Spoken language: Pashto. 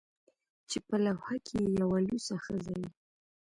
چې په لوحه کې یې یوه لوڅه ښځه وي